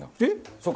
そうか。